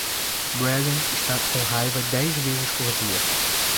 Brezen está com raiva dez vezes por dia.